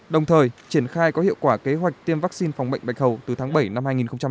đồng thời triển khai có hiệu quả kế hoạch tiêm vaccine phòng bệnh bạch hầu từ tháng bảy năm hai nghìn hai mươi